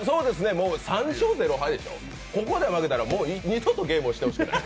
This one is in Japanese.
３勝０敗でしょ、ここで負けたらもう二度とゲームをしてほしくない。